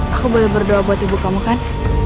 aku boleh berdoa buat ibu kamu kan